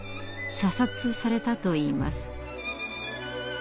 射殺されたといいます。